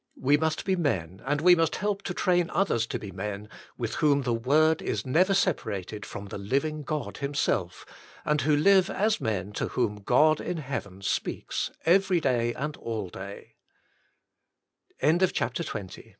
We must be men, and we must help to train others to be men, with whom the Word is Never Separated from the Living God Himself, and Who Live as Men to Whom God in Heaven Speaks Every Day and All D